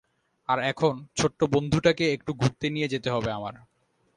আর এখন, ছোট্ট বন্ধুটাকে একটু ঘুরতে নিয়ে যেতে হবে আমার।